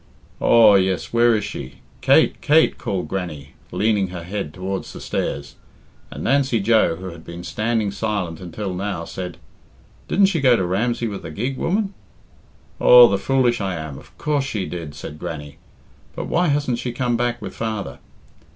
"Aw, yes, where is she? Kate! Kate!" called Grannie, leaning her head toward the stairs, and Nancy Joe, who had been standing silent until now, said "Didn't she go to Ramsey with the gig, woman?" "Aw, the foolish I am! Of course she did," said Grannie; "but why hasn't she come back with father?"